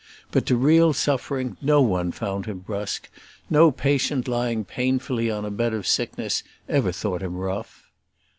But to real suffering no one found him brusque; no patient lying painfully on a bed of sickness ever thought him rough.